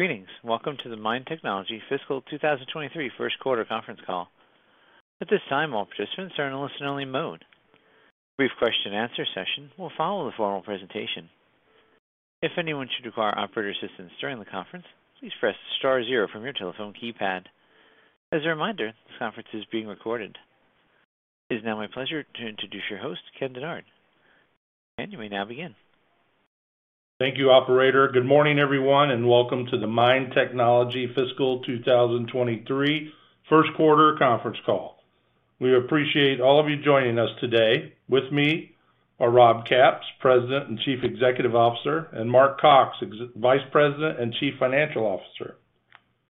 Greetings. Welcome to the MIND Technology fiscal 2023 first quarter conference call. At this time, all participants are in a listen-only mode. A brief question and answer session will follow the formal presentation. If anyone should require operator assistance during the conference, please press star zero from your telephone keypad. As a reminder, this conference is being recorded. It is now my pleasure to introduce your host, Ken Dennard. Ken, you may now begin. Thank you, operator. Good morning, everyone, and welcome to the MIND Technology Fiscal 2023 first quarter conference call. We appreciate all of you joining us today. With me are Rob Capps, President and Chief Executive Officer, and Mark Cox, Vice President and Chief Financial Officer.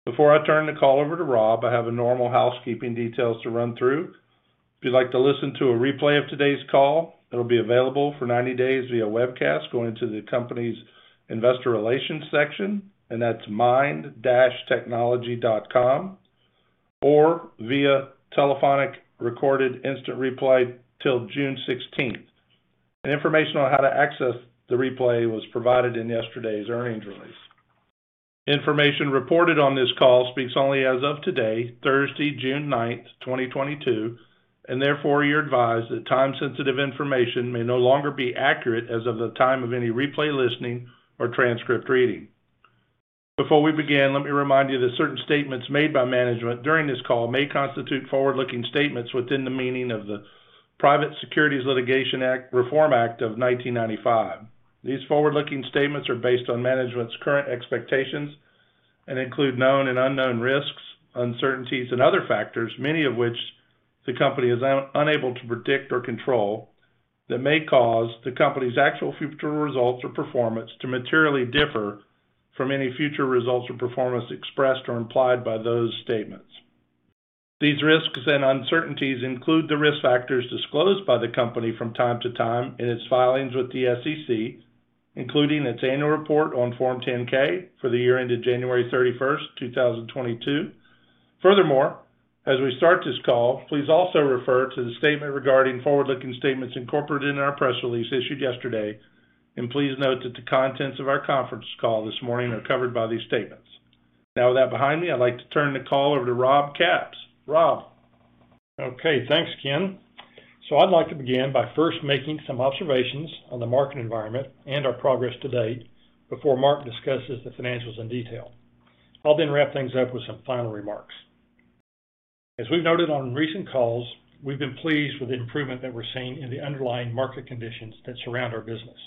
Before I turn the call over to Rob, I have a normal housekeeping details to run through. If you'd like to listen to a replay of today's call, it'll be available for 90 days via webcast going to the company's investor relations section, and that's mind-technology.com, or via telephonic recorded instant replay till June sixteenth. Information on how to access the replay was provided in yesterday's earnings release. Information reported on this call speaks only as of today, Thursday, June 9, 2022, and therefore you're advised that time-sensitive information may no longer be accurate as of the time of any replay listening or transcript reading. Before we begin, let me remind you that certain statements made by management during this call may constitute forward-looking statements within the meaning of the Private Securities Litigation Reform Act of 1995. These forward-looking statements are based on management's current expectations and include known and unknown risks, uncertainties, and other factors, many of which the company is unable to predict or control, that may cause the company's actual future results or performance to materially differ from any future results or performance expressed or implied by those statements. These risks and uncertainties include the risk factors disclosed by the company from time to time in its filings with the SEC, including its annual report on Form 10-K for the year ended January 31st, 2022. Furthermore, as we start this call, please also refer to the statement regarding forward-looking statements incorporated in our press release issued yesterday, and please note that the contents of our conference call this morning are covered by these statements. Now with that behind me, I'd like to turn the call over to Rob Capps. Rob? Okay. Thanks, Ken. I'd like to begin by first making some observations on the market environment and our progress to date before Mark discusses the financials in detail. I'll then wrap things up with some final remarks. As we've noted on recent calls, we've been pleased with the improvement that we're seeing in the underlying market conditions that surround our business.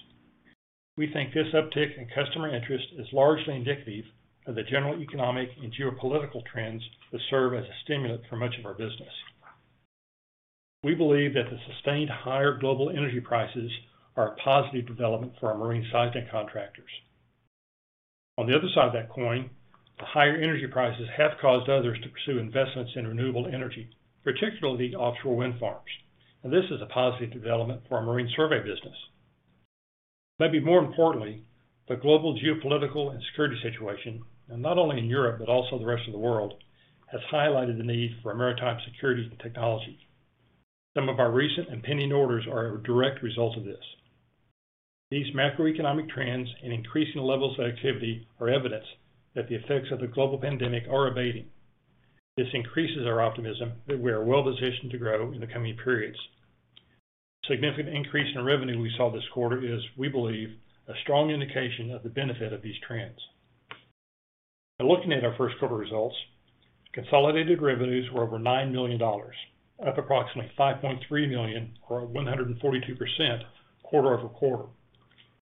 We think this uptick in customer interest is largely indicative of the general economic and geopolitical trends that serve as a stimulant for much of our business. We believe that the sustained higher global energy prices are a positive development for our marine seismic contractors. On the other side of that coin, the higher energy prices have caused others to pursue investments in renewable energy, particularly offshore wind farms, and this is a positive development for our marine survey business. Maybe more importantly, the global geopolitical and security situation, and not only in Europe, but also the rest of the world, has highlighted the need for maritime security and technology. Some of our recent and pending orders are a direct result of this. These macroeconomic trends and increasing levels of activity are evidence that the effects of the global pandemic are abating. This increases our optimism that we are well positioned to grow in the coming periods. Significant increase in revenue we saw this quarter is, we believe, a strong indication of the benefit of these trends. Now looking at our first quarter results, consolidated revenues were over $9 million, up approximately $5.3 million or 142% quarter-over-quarter.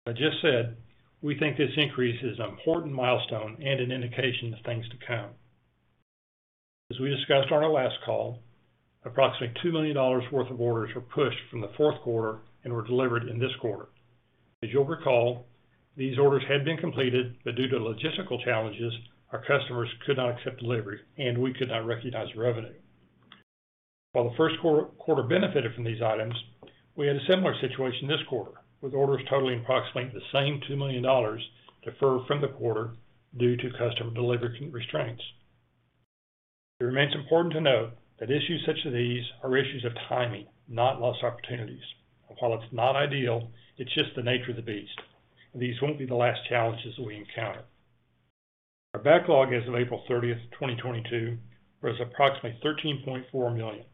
As I just said, we think this increase is an important milestone and an indication of things to come. As we discussed on our last call, approximately $2 million worth of orders were pushed from the fourth quarter and were delivered in this quarter. As you'll recall, these orders had been completed, but due to logistical challenges, our customers could not accept delivery, and we could not recognize revenue. While the first quarter benefited from these items, we had a similar situation this quarter, with orders totaling approximately the same $2 million deferred from the quarter due to customer delivery constraints. It remains important to note that issues such as these are issues of timing, not lost opportunities. While it's not ideal, it's just the nature of the beast. These won't be the last challenges that we encounter. Our backlog as of April 30, 2022 was approximately $13.4 million.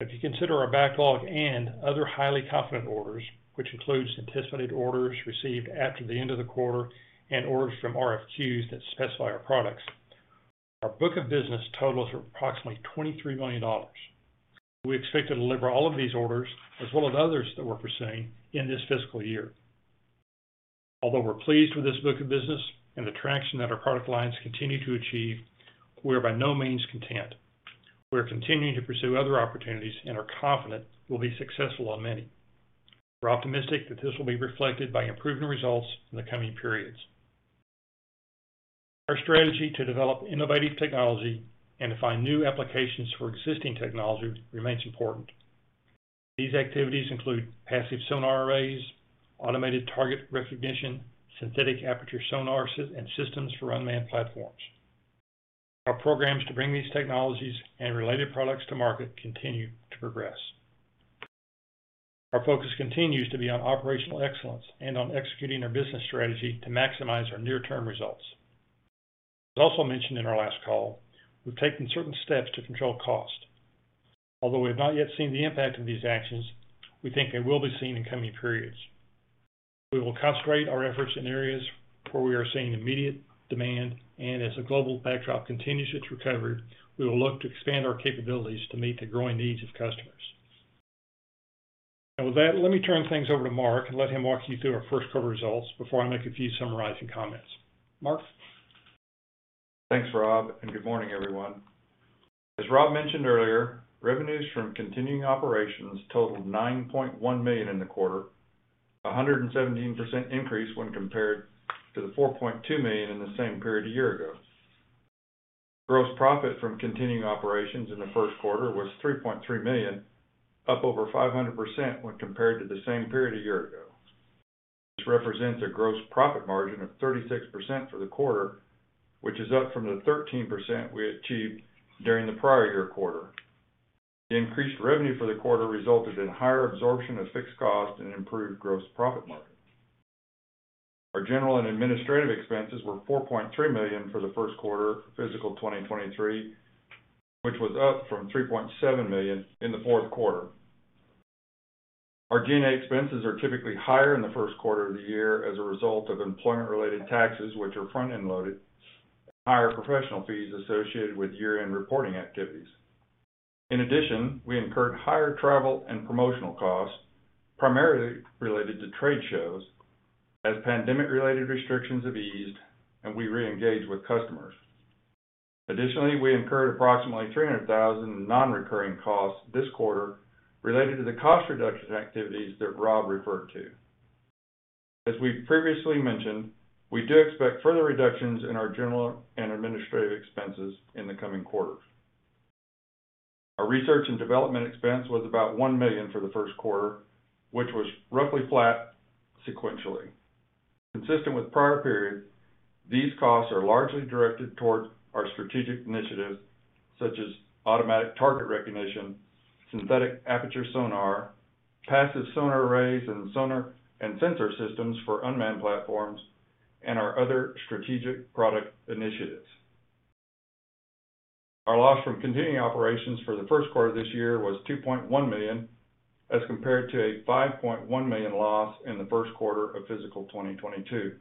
If you consider our backlog and other highly confident orders, which includes anticipated orders received after the end of the quarter and orders from RFQs that specify our products, our book of business totals are approximately $23 million. We expect to deliver all of these orders, as well as others that we're pursuing, in this fiscal year. Although we're pleased with this book of business and the traction that our product lines continue to achieve, we're by no means content. We're continuing to pursue other opportunities and are confident we'll be successful on many. We're optimistic that this will be reflected by improving results in the coming periods. Our strategy to develop innovative technology and to find new applications for existing technology remains important. These activities include Passive Sonar Arrays, Automated Target Recognition, Synthetic Aperture Sonar, and systems for unmanned platforms. Our programs to bring these technologies and related products to market continue to progress. Our focus continues to be on operational excellence and on executing our business strategy to maximize our near-term results. As also mentioned in our last call, we've taken certain steps to control cost. Although we have not yet seen the impact of these actions, we think they will be seen in coming periods. We will concentrate our efforts in areas where we are seeing immediate demand, and as the global backdrop continues its recovery, we will look to expand our capabilities to meet the growing needs of customers. Now, with that, let me turn things over to Mark and let him walk you through our first quarter results before I make a few summarizing comments. Mark? Thanks, Rob, and good morning, everyone. As Rob mentioned earlier, revenues from continuing operations totaled $9.1 million in the quarter, 117% increase when compared to the $4.2 million in the same period a year ago. Gross profit from continuing operations in the first quarter was $3.3 million, up over 500% when compared to the same period a year ago. This represents a gross profit margin of 36% for the quarter, which is up from the 13% we achieved during the prior year quarter. The increased revenue for the quarter resulted in higher absorption of fixed cost and improved gross profit margin. Our general and administrative expenses were $4.3 million for the first quarter fiscal 2023, which was up from $3.7 million in the fourth quarter. Our G&A expenses are typically higher in the first quarter of the year as a result of employment-related taxes, which are front-end loaded, and higher professional fees associated with year-end reporting activities. In addition, we incurred higher travel and promotional costs, primarily related to trade shows as pandemic-related restrictions have eased and we reengage with customers. Additionally, we incurred approximately $300 thousand in non-recurring costs this quarter related to the cost reduction activities that Rob referred to. As we've previously mentioned, we do expect further reductions in our general and administrative expenses in the coming quarters. Our research and development expense was about $1 million for the first quarter, which was roughly flat sequentially. Consistent with prior periods, these costs are largely directed towards our strategic initiatives such as Automatic Target Recognition, Synthetic Aperture Sonar, Passive Sonar Arrays and sonar and sensor systems for unmanned platforms, and our other strategic product initiatives. Our loss from continuing operations for the first quarter this year was $2.1 million as compared to a $5.1 million loss in the first quarter of fiscal 2022.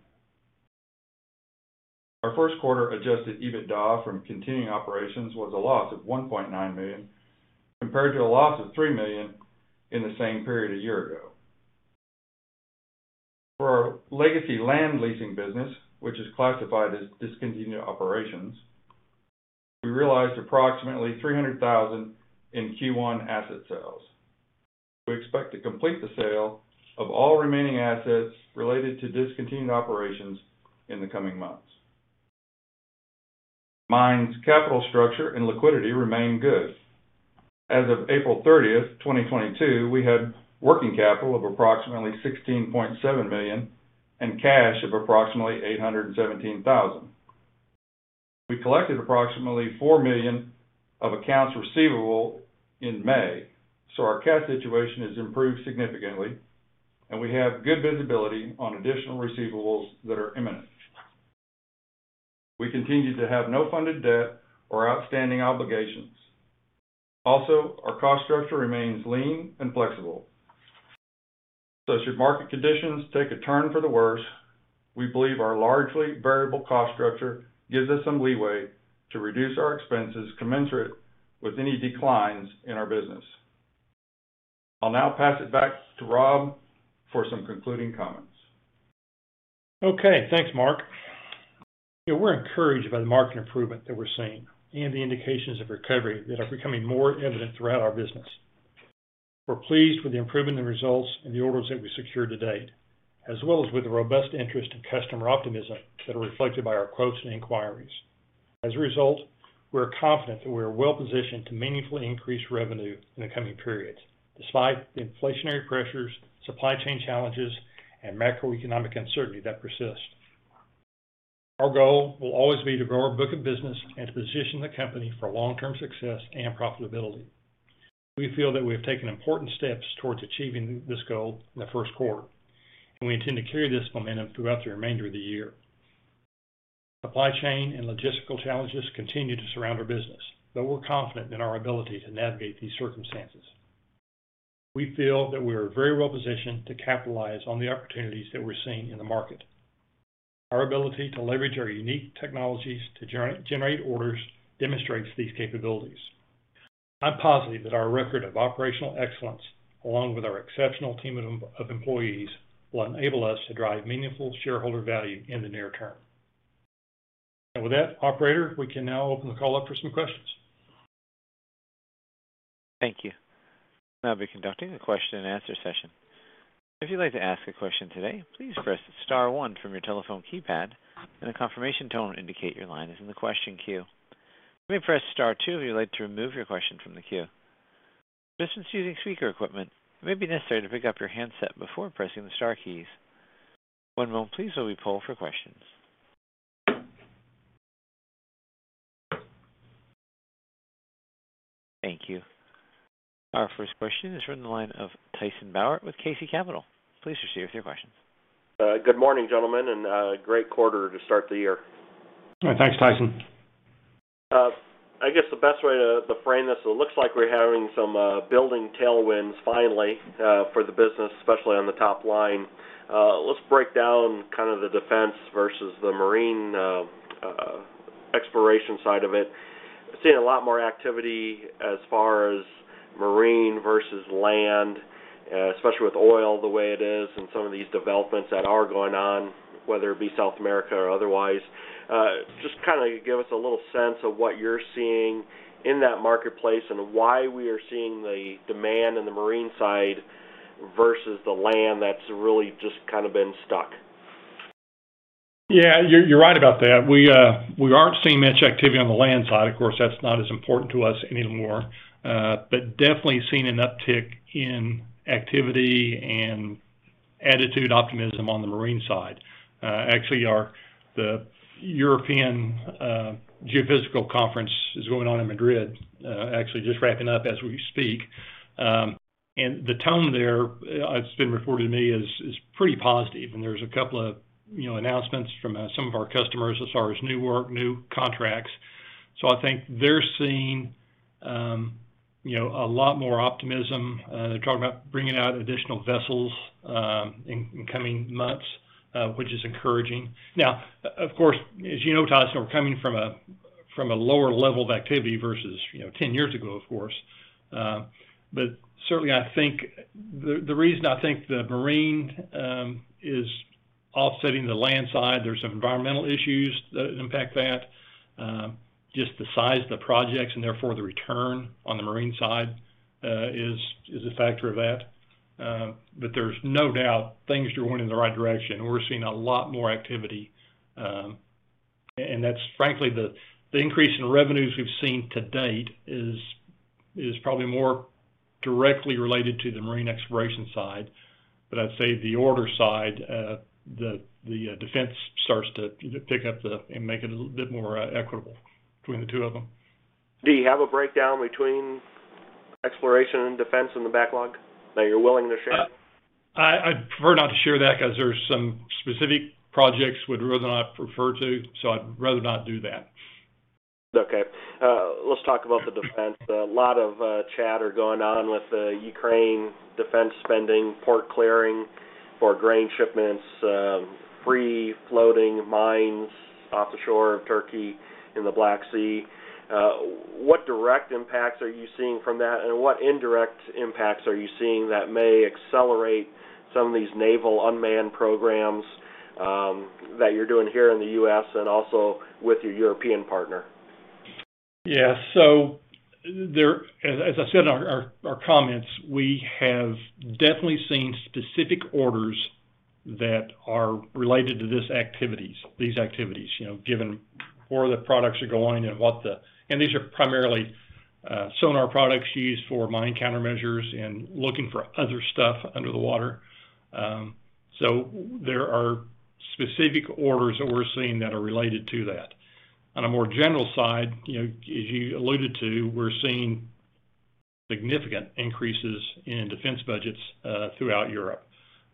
Our first quarter adjusted EBITDA from continuing operations was a loss of $1.9 million compared to a loss of $3 million in the same period a year ago. For our legacy land leasing business, which is classified as discontinued operations, we realized approximately $300,000 in Q1 asset sales. We expect to complete the sale of all remaining assets related to discontinued operations in the coming months. MIND's capital structure and liquidity remain good. As of April 30, 2022, we had working capital of approximately $16.7 million and cash of approximately $817, 000 thousand. We collected approximately $4 million of accounts receivable in May, so our cash situation has improved significantly, and we have good visibility on additional receivables that are imminent. We continue to have no funded debt or outstanding obligations. Also, our cost structure remains lean and flexible. Should market conditions take a turn for the worse, we believe our largely variable cost structure gives us some leeway to reduce our expenses commensurate with any declines in our business. I'll now pass it back to Rob for some concluding comments. Okay. Thanks, Mark. We're encouraged by the market improvement that we're seeing and the indications of recovery that are becoming more evident throughout our business. We're pleased with the improvement in results and the orders that we secure to date, as well as with the robust interest and customer optimism that are reflected by our quotes and inquiries. As a result, we're confident that we are well positioned to meaningfully increase revenue in the coming periods despite the inflationary pressures, supply chain challenges, and macroeconomic uncertainty that persists. Our goal will always be to grow our book of business and to position the company for long-term success and profitability. We feel that we have taken important steps towards achieving this goal in the first quarter, and we intend to carry this momentum throughout the remainder of the year. Supply chain and logistical challenges continue to surround our business, though we're confident in our ability to navigate these circumstances. We feel that we are very well positioned to capitalize on the opportunities that we're seeing in the market. Our ability to leverage our unique technologies to generate orders demonstrates these capabilities. I'm positive that our record of operational excellence, along with our exceptional team of employees, will enable us to drive meaningful shareholder value in the near term. With that, operator, we can now open the call up for some questions. Thank you. Now we're conducting a question and answer session. If you'd like to ask a question today, please press star one from your telephone keypad, and a confirmation tone will indicate your line is in the question queue. You may press star two if you would like to remove your question from the queue. If you're using speaker equipment, it may be necessary to pick up your handset before pressing the star keys. One moment please while we poll for questions. Thank you. Our first question is from the line of Tyson Bauer with KC Capital. Please proceed with your questions. Good morning, gentlemen, and great quarter to start the year. Thanks, Tyson. I guess the best way to frame this, it looks like we're having some building tailwinds finally for the business, especially on the top line. Let's break down kind of the defense versus the marine exploration side of it. Seeing a lot more activity as far as marine versus land, especially with oil the way it is and some of these developments that are going on, whether it be South America or otherwise. Just kinda give us a little sense of what you're seeing in that marketplace and why we are seeing the demand in the marine side versus the land that's really just kind of been stuck. Yeah, you're right about that. We aren't seeing much activity on the land side. Of course, that's not as important to us anymore. Definitely seen an uptick in activity and attitude, optimism on the marine side. Actually, the EAGE Annual Conference & Exhibition is going on in Madrid, actually just wrapping up as we speak. The tone there, it's been reported to me, is pretty positive. There's a couple of, you know, announcements from some of our customers as far as new work, new contracts. I think they're seeing, you know, a lot more optimism. They're talking about bringing out additional vessels in coming months, which is encouraging. Now, of course, as you know, Tyson, we're coming from a lower level of activity versus, you know, 10 years ago, of course. Certainly I think the reason I think the marine is offsetting the land side. There's some environmental issues that impact that. Just the size of the projects, and therefore the return on the marine side is a factor of that. There's no doubt things are going in the right direction. We're seeing a lot more activity, and that's frankly the increase in revenues we've seen to date is probably more directly related to the marine exploration side. I'd say the order side, the defense starts to pick up and make it a little bit more equitable between the two of them. Do you have a breakdown between exploration and defense in the backlog that you're willing to share? I'd prefer not to share that 'cause there's some specific projects would rather not refer to, so I'd rather not do that. Okay. Let's talk about the defense. A lot of chatter going on with the Ukraine defense spending, port clearing for grain shipments, free floating mines off the shore of Turkey in the Black Sea. What direct impacts are you seeing from that, and what indirect impacts are you seeing that may accelerate some of these naval unmanned programs that you're doing here in the U.S. and also with your European partner? Yeah. As I said in our comments, we have definitely seen specific orders that are related to these activities, you know, given where the products are going and these are primarily sonar products used for Mine Countermeasures and looking for other stuff under the water. There are specific orders that we're seeing that are related to that. On a more general side, you know, as you alluded to, we're seeing significant increases in defense budgets throughout Europe.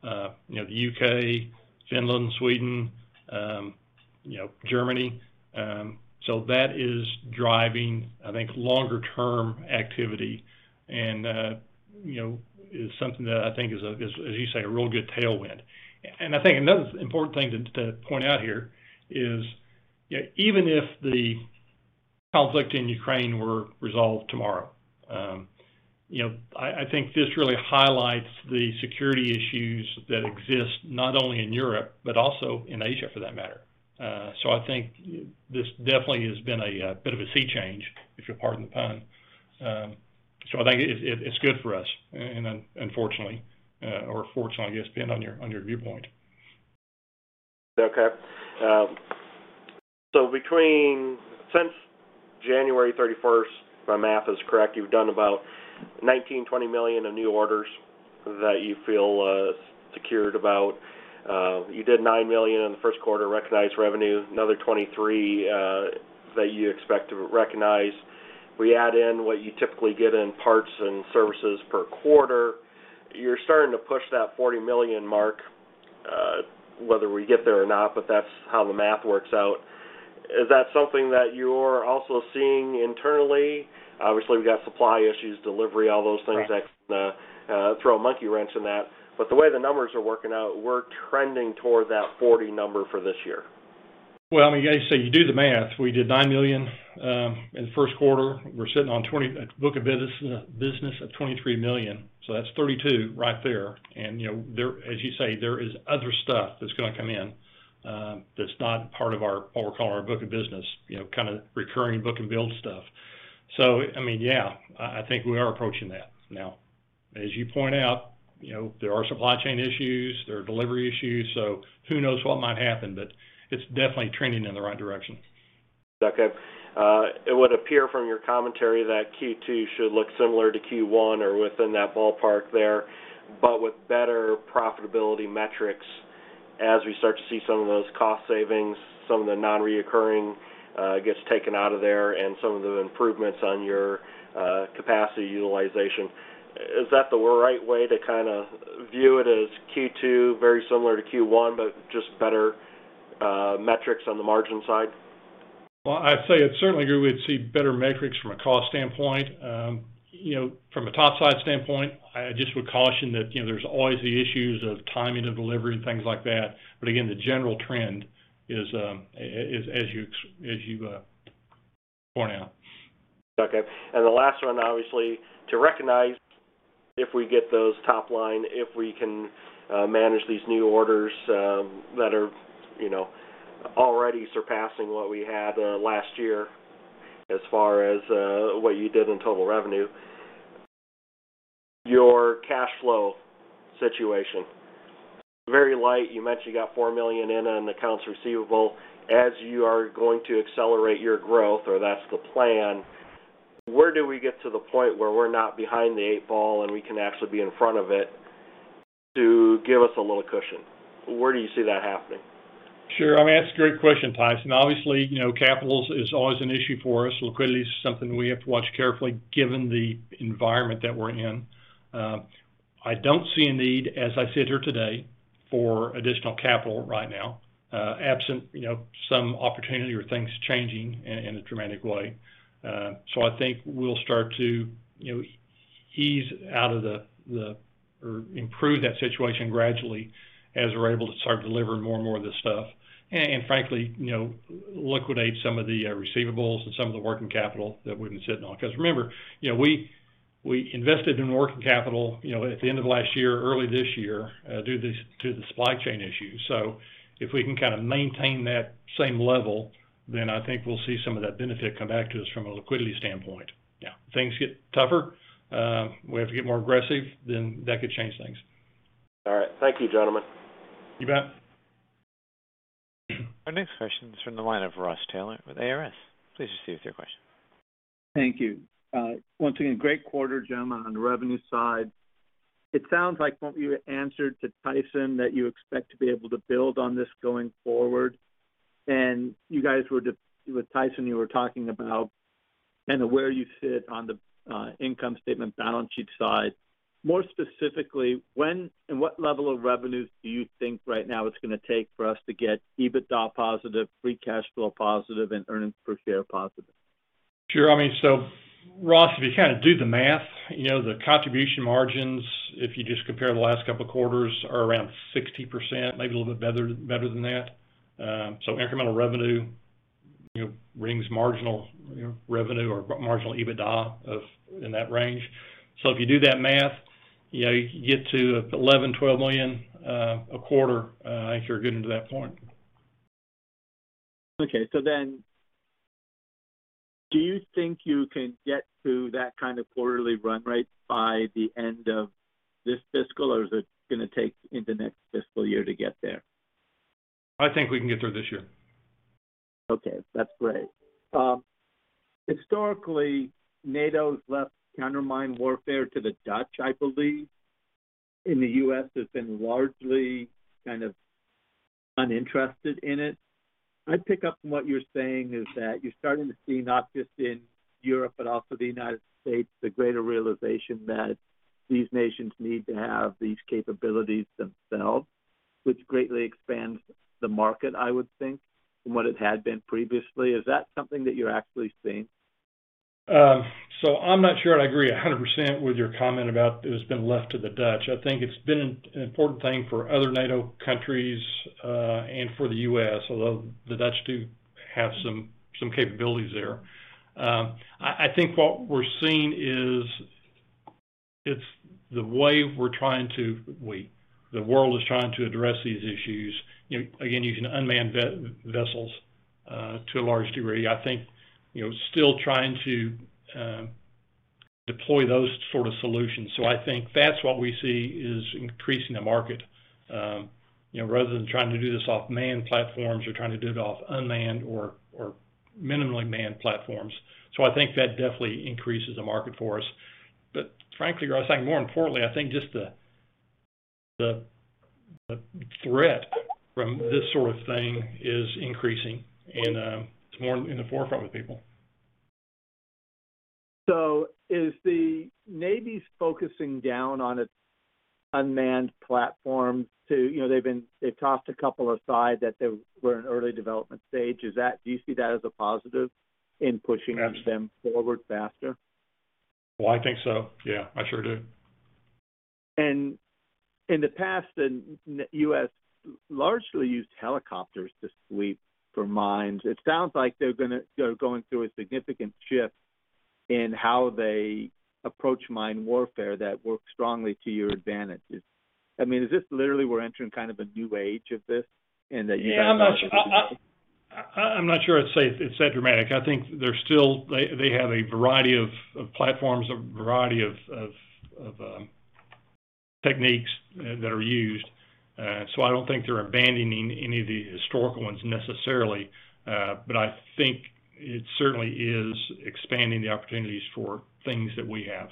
You know, the U.K., Finland, Sweden, you know, Germany. That is driving, I think, longer term activity and, you know, is something that I think is, as you say, a real good tailwind. I think another important thing to point out here is even if the conflict in Ukraine were resolved tomorrow, you know, I think this really highlights the security issues that exist not only in Europe, but also in Asia, for that matter. I think this definitely has been a bit of a sea change, if you'll pardon the pun. I think it's good for us, unfortunately, or fortunately, I guess, depending on your viewpoint. Okay. Since January 31st, if my math is correct, you've done about $19 million-$20 million in new orders that you feel secured about. You did $9 million in the first quarter, recognized revenue, another $23 that you expect to recognize. We add in what you typically get in parts and services per quarter. You're starting to push that $40 million mark, whether we get there or not, but that's how the math works out. Is that something that you're also seeing internally? Obviously, we've got supply issues, delivery, all those things that can throw a monkey wrench in that. The way the numbers are working out, we're trending toward that $40 million number for this year. Well, I mean, as you say, you do the math. We did $9 million in the first quarter. We're sitting on a book of business of $23 million, so that's $32 million right there. You know, as you say, there is other stuff that's gonna come in, that's not part of what we call our book of business, you know, kind of recurring book-to-bill stuff. I mean, yeah, I think we are approaching that now. As you point out, you know, there are supply chain issues, there are delivery issues, so who knows what might happen, but it's definitely trending in the right direction. Okay. It would appear from your commentary that Q2 should look similar to Q1 or within that ballpark there, but with better profitability metrics as we start to see some of those cost savings, some of the non-recurring gets taken out of there and some of the improvements on your capacity utilization, is that the right way to kind of view it as Q2, very similar to Q1, but just better metrics on the margin side? Well, I'd say it's certainly we would see better metrics from a cost standpoint. You know, from a top side standpoint, I just would caution that, you know, there's always the issues of timing of delivery and things like that. Again, the general trend is, as you point out. Okay. The last one, obviously, to recognize if we get those top line, if we can manage these new orders, that are, you know, already surpassing what we had last year as far as what you did in total revenue. Your cash flow situation, very light. You mentioned you got $4 million in accounts receivable. As you are going to accelerate your growth, or that's the plan, where do we get to the point where we're not behind the eight ball and we can actually be in front of it to give us a little cushion? Where do you see that happening? Sure. I mean, that's a great question, Tyson. Obviously, you know, capital is always an issue for us. Liquidity is something we have to watch carefully given the environment that we're in. I don't see a need, as I sit here today, for additional capital right now, absent, you know, some opportunity or things changing in a dramatic way. I think we'll start to, you know, ease out of the or improve that situation gradually as we're able to start delivering more and more of this stuff. Frankly, you know, liquidate some of the receivables and some of the working capital that we've been sitting on. Because remember, you know, we invested in working capital, you know, at the end of last year, early this year, due to the supply chain issues. If we can kind of maintain that same level, then I think we'll see some of that benefit come back to us from a liquidity standpoint. Yeah. Things get tougher, we have to get more aggressive, then that could change things. All right. Thank you, gentlemen. You bet. Our next question is from the line of Ross Taylor with ARS. Please proceed with your question. Thank you. Once again, great quarter, Jim, on the revenue side. It sounds like from what you answered to Tyson, that you expect to be able to build on this going forward. You guys were with Tyson, you were talking about and where you sit on the income statement balance sheet side. More specifically, when and what level of revenues do you think right now it's gonna take for us to get EBITDA positive, free cash flow positive, and earnings per share positive? Sure. I mean, so Ross, if you kind of do the math, you know, the contribution margins, if you just compare the last couple of quarters, are around 60%, maybe a little bit better than that. Incremental revenue, you know, brings marginal, you know, revenue or marginal EBITDA in that range. If you do that math, you know, you can get to $11 million-$12 million a quarter, I think you're getting to that point. Okay. Do you think you can get to that kind of quarterly run rate by the end of this fiscal, or is it gonna take into next fiscal year to get there? I think we can get there this year. Okay, that's great. Historically, NATO's left countermine warfare to the Dutch, I believe. The U.S. has been largely kind of uninterested in it. I pick up from what you're saying is that you're starting to see not just in Europe, but also the United States, the greater realization that these nations need to have these capabilities themselves, which greatly expands the market, I would think, from what it had been previously. Is that something that you're actually seeing? I'm not sure I agree 100% with your comment about it has been left to the Dutch. I think it's been an important thing for other NATO countries, and for the U.S., although the Dutch do have some capabilities there. I think what we're seeing is it's the way the world is trying to address these issues, you know, again, using unmanned vessels to a large degree. I think, you know, still trying to deploy those sort of solutions. I think that's what we see is increasing the market, you know, rather than trying to do this off manned platforms or trying to do it off unmanned or minimally manned platforms. I think that definitely increases the market for us. Frankly, Ross, I think more importantly, I think just the threat from this sort of thing is increasing and it's more in the forefront of people. Is the Navy's focusing down on its unmanned platform to, you know, they've tossed a couple aside that they were in early development stage? Do you see that as a positive in pushing them forward faster? Well, I think so. Yeah, I sure do. In the past, the U.S. largely used helicopters to sweep for mines. It sounds like they're going through a significant shift in how they approach mine warfare that works strongly to your advantage. I mean, is this literally we're entering kind of a new age of this and that you guys are- Yeah. I'm not sure I'd say it's that dramatic. I think they have a variety of platforms, a variety of techniques that are used. I don't think they're abandoning any of the historical ones necessarily. I think it certainly is expanding the opportunities for things that we have.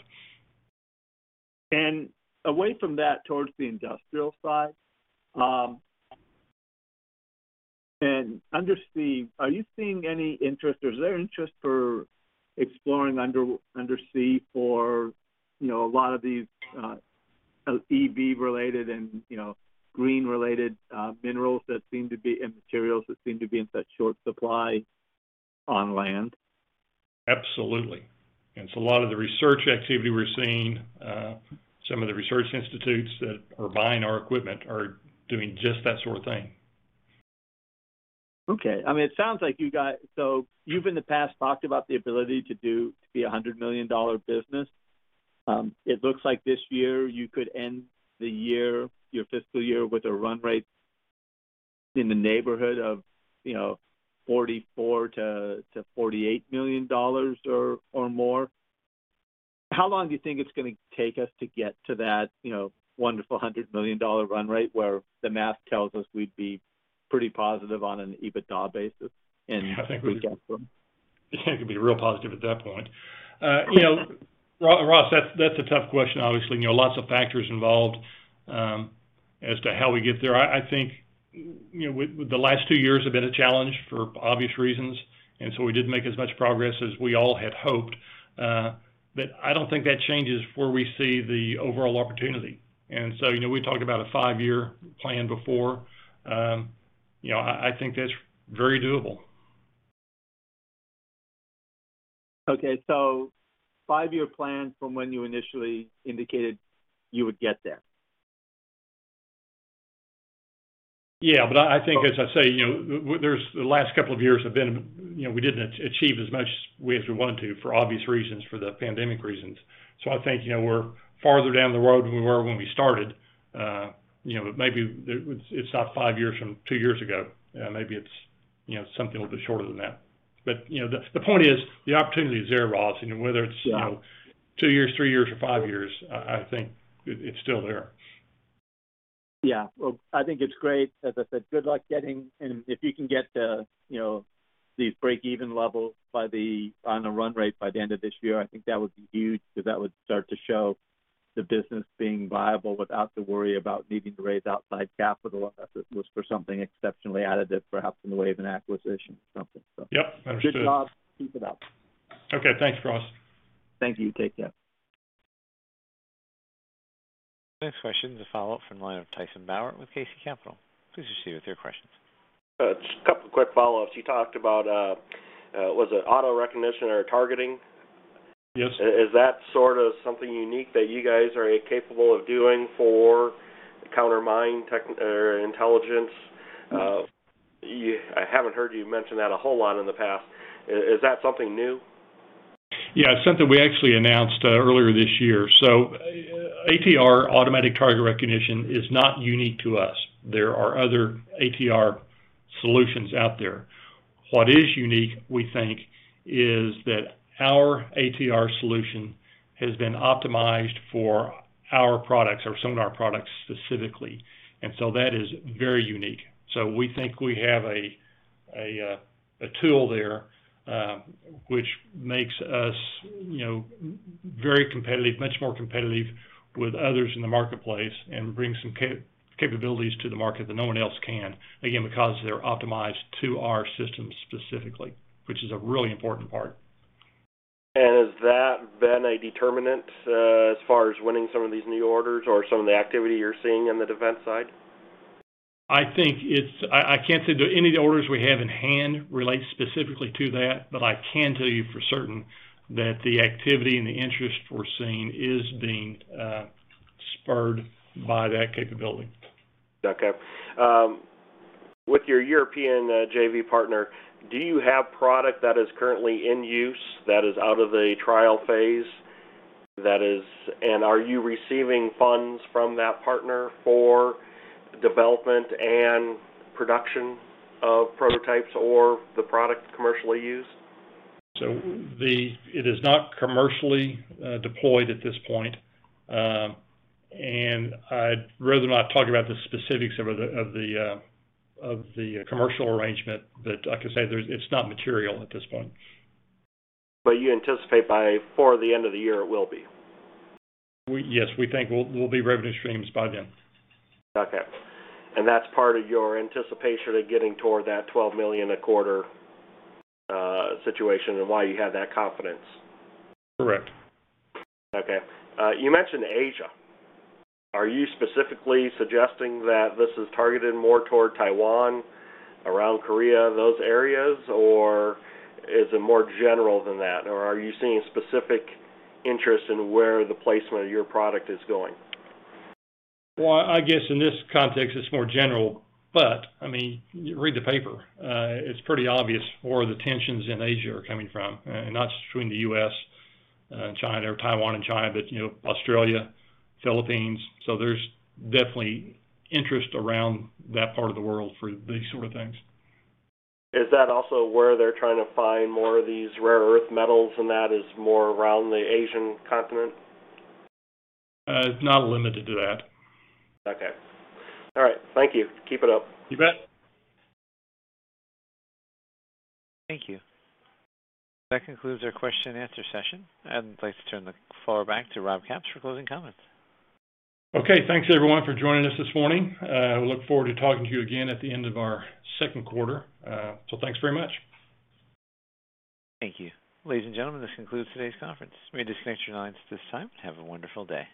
Away from that, towards the industrial side and undersea, are you seeing any interest or is there interest for exploring undersea for, you know, a lot of these EV related and, you know, green related minerals that seem to be and materials that seem to be in such short supply on land? Absolutely. A lot of the research activity we're seeing, some of the research institutes that are buying our equipment are doing just that sort of thing. Okay. I mean, it sounds like. You've in the past talked about the ability to do, to be a $100 million business. It looks like this year you could end the year, your fiscal year with a run rate in the neighborhood of, you know, $44 million-$48 million or more. How long do you think it's gonna take us to get to that, you know, wonderful $100 million run rate where the math tells us we'd be pretty positive on an EBITDA basis in- I think we'd be real positive at that point. You know, Ross, that's a tough question. Obviously, you know, lots of factors involved, as to how we get there. I think, you know, with the last two years have been a challenge for obvious reasons, and so we didn't make as much progress as we all had hoped. I don't think that changes where we see the overall opportunity. You know, we talked about a five-year plan before. You know, I think that's very doable. Okay. Five-year plan from when you initially indicated you would get there? Yeah. I think, as I say, you know, the last couple of years have been, you know, we didn't achieve as much as we wanted to, for obvious reasons, for the pandemic reasons. I think, you know, we're farther down the road than we were when we started. You know, maybe it's not five years from two years ago. Maybe it's, you know, something a little bit shorter than that. You know, the point is, the opportunity is there, Ross. You know, whether it's, you know, two years, five years or five years, I think it's still there. Yeah. Well, I think it's great. As I said, good luck getting. If you can get the, you know, these break even levels on a run rate by the end of this year, I think that would be huge because that would start to show the business being viable without the worry about needing to raise outside capital, unless it was for something exceptionally additive, perhaps in the way of an acquisition or something. So. Yep. Understood. Good job. Keep it up. Okay. Thanks, Ross. Thank you. Take care. Next question is a follow-up from the line of Tyson Bauer with KC Capital. Please proceed with your questions. Just a couple quick follow-ups. You talked about, was it auto recognition or targeting? Yes. Is that sort of something unique that you guys are capable of doing for counter mine tech or intelligence? I haven't heard you mention that a whole lot in the past. Is that something new? Yeah, it's something we actually announced earlier this year. ATR, Automatic Target Recognition, is not unique to us. There are other ATR solutions out there. What is unique, we think, is that our ATR solution has been optimized for our products or some of our products specifically, and so that is very unique. We think we have a tool there, which makes us, you know, very competitive, much more competitive with others in the marketplace and brings some capabilities to the market that no one else can. Again, because they're optimized to our systems specifically, which is a really important part. Has that been a determinant as far as winning some of these new orders or some of the activity you're seeing in the defense side? I think I can't say any of the orders we have in hand relate specifically to that. I can tell you for certain that the activity and the interest we're seeing is being spurred by that capability. Okay. With your European JV partner, do you have product that is currently in use that is out of the trial phase? Are you receiving funds from that partner for development and production of prototypes or the product commercially used? It is not commercially deployed at this point. I'd rather not talk about the specifics of the commercial arrangement. I can say it's not material at this point. You anticipate by, for the end of the year, it will be? Yes, we think we'll be revenue streams by then. Okay. That's part of your anticipation of getting toward that $12 million a quarter situation and why you have that confidence? Correct. Okay. You mentioned Asia. Are you specifically suggesting that this is targeted more toward Taiwan, around Korea, those areas? Or is it more general than that? Or are you seeing specific interest in where the placement of your product is going? Well, I guess in this context it's more general, but I mean, read the paper. It's pretty obvious where the tensions in Asia are coming from, and not just between the U.S., China, or Taiwan and China, but, you know, Australia, Philippines. So there's definitely interest around that part of the world for these sort of things. Is that also where they're trying to find more of these rare earth metals and that is more around the Asian continent? It's not limited to that. Okay. All right. Thank you. Keep it up. You bet. Thank you. That concludes our question and answer session. I'd like to turn the floor back to Rob Capps for closing comments. Okay. Thanks, everyone, for joining us this morning. We look forward to talking to you again at the end of our second quarter. Thanks very much. Thank you. Ladies and gentlemen, this concludes today's conference. You may disconnect your lines at this time. Have a wonderful day.